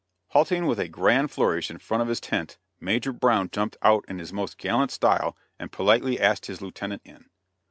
Halting with a grand flourish in front of his tent, Major Brown jumped out in his most gallant style and politely asked his lieutenant in.